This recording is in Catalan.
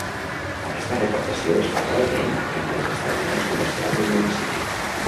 Aquesta recaptació es fa, novament, entre els establiments comercials del municipi.